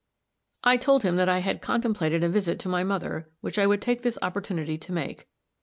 I told him that I had contemplated a visit to my mother, which I would take this opportunity to make.